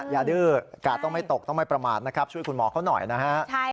ดื้อกาดต้องไม่ตกต้องไม่ประมาทนะครับช่วยคุณหมอเขาหน่อยนะฮะ